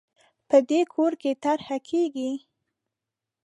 په دې کور کې طرحه کېږي